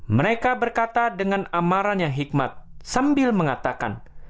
mereka berkata dengan amaran yang hikmat sambil mengatakan